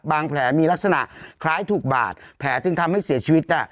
แผลมีลักษณะคล้ายถูกบาดแผลจึงทำให้เสียชีวิต